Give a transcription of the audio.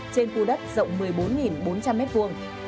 trên khu đất rộng một mươi bốn bốn trăm linh m hai